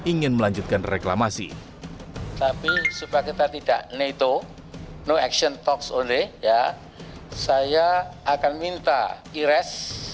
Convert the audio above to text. ingin melanjutkan reklamasi tapi supaya kita tidak neto no action talk sode ya saya akan minta iras